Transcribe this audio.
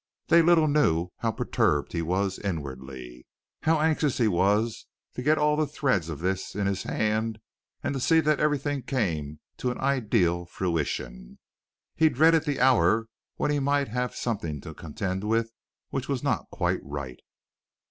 They little knew how perturbed he was inwardly, how anxious he was to get all the threads of this in his hand and to see that everything came to an ideal fruition. He dreaded the hour when he might have something to contend with which was not quite right.